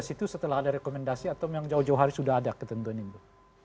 tujuh belas itu setelah ada rekomendasi atau jauh jauh hari sudah ada ketentuan itu